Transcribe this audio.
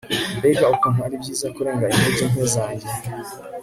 mbega ukuntu ari byiza kurenga intege nke zanjye